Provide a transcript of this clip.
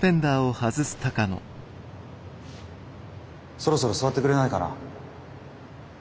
そろそろ座ってくれないかな？